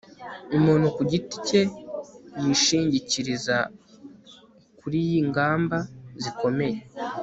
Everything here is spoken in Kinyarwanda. Umuntu ku giti cye yishingikiriza kuri yingamba zikomeye